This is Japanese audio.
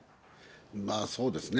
まあ、そうですね。